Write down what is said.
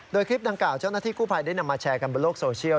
โดยคลิปดังกล่าเจ้าหน้าที่กู้ภัยได้นำมาแชร์กันบนโลกโซเชียล